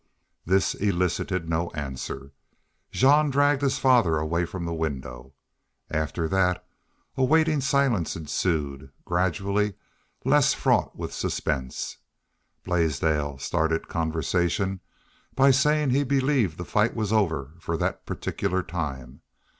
This elicited no answer. Jean dragged his father away from the window. After that a waiting silence ensued, gradually less fraught with suspense. Blaisdell started conversation by saying he believed the fight was over for that particular time.